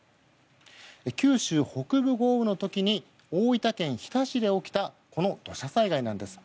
九州北部豪雨の時に大分県日田市で起きた土砂災害なんです。